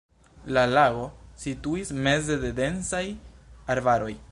La lago situis meze de densaj arbaroj.